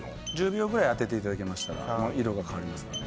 １０秒ぐらい当てていただけましたらもう色が変わりますので４５